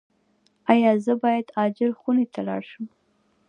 ایا زه باید عاجل خونې ته لاړ شم؟